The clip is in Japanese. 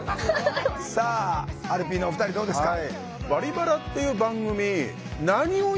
さあアルピーのお二人どうですか？